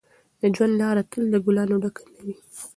د ژوند لاره تل له ګلانو ډکه نه وي.